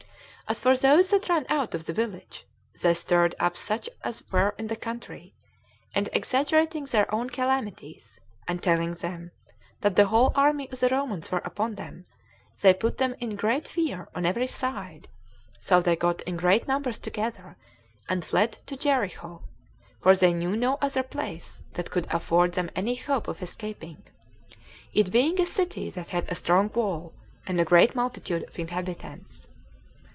As for those that ran out of the village, they stirred up such as were in the country, and exaggerating their own calamities, and telling them that the whole army of the Romans were upon them, they put them into great fear on every side; so they got in great numbers together, and fled to Jericho, for they knew no other place that could afford them any hope of escaping, it being a city that had a strong wall, and a great multitude of inhabitants.